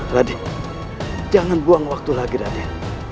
raden jangan buang waktu lagi raden